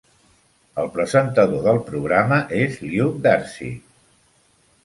El presentador del programa és Luke Darcy.